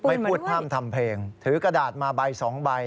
ไม่พูดพร่ำทำเพลงถือกระดาษมาใบสองใบ